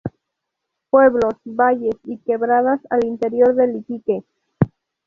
Pueblos, valles y quebradas al interior de Iquique.